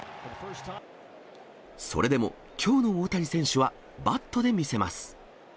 それでも、きょうの大谷選手は、バットで見せます。